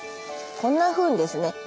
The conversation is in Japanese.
こんなふうにですね